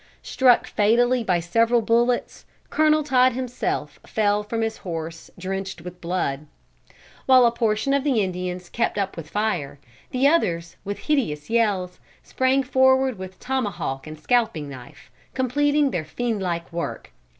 Struck fatally by several bullets, Colonel Todd himself fell from his horse drenched with blood. While a portion of the Indians kept up the fire, others, with hideous yells sprang forward with tomahawk and scalping knife, completing their fiendlike work.